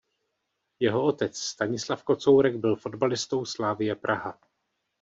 Jeho otec Stanislav Kocourek byl fotbalistou Slavie Praha.